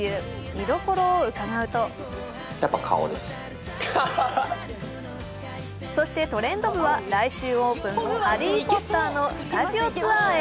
見どころを伺うとそして、「トレンド部」は来週オープン、「ハリー・ポッター」のスタジオツアーへ。